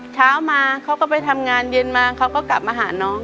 เช้ามาเขาก็ไปทำงานเย็นมาเขาก็กลับมาหาน้อง